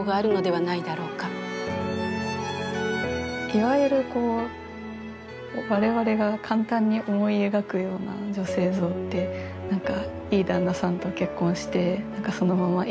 いわゆるこう我々が簡単に思い描くような女性像っていい旦那さんと結婚してそのままいい生活に突入して。